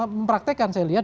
mempraktekkan saya lihat